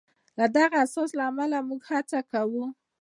د همدغه احساس له امله موږ هڅه کوو.